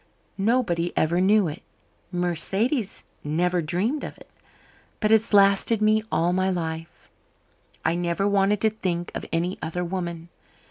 Nobody ever knew it. Mercedes never dreamed of it. But it's lasted me all my life. I never wanted to think of any other woman.